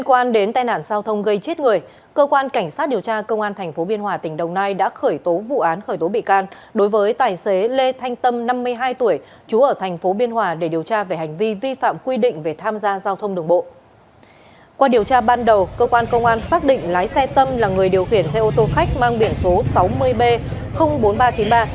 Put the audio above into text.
qua điều tra ban đầu cơ quan công an xác định lái xe tâm là người điều khiển xe ô tô khách mang biển số sáu mươi b bốn nghìn ba trăm chín mươi ba